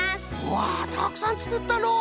わあたくさんつくったのう！